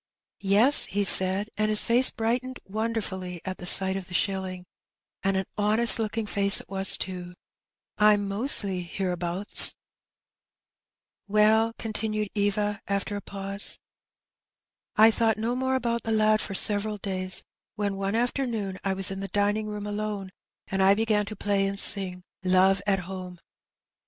"' Yes/ he said ; and his face brightened wonderfully at the sight of the shilling, and an honest looking face it was too; Tm mostly hereabouts/ " Well, continued Eva, after a pause, " I thought no more about the lad for several days, when one afternoon I was in the dining room alone, and I began to play and sing ' Love at Home.